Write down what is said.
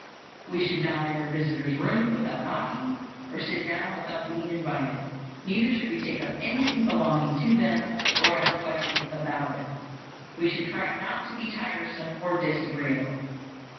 We should not enter visitors' rooms without knocking, or sit down without being invited; neither should we take up anything belonging to them, or ask questions about it. We should try not to be tiresome or disagreeable.